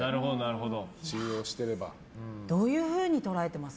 どういうふうに捉えてます？